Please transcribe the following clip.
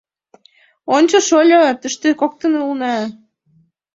Ончо, шольо, тыште коктын улына!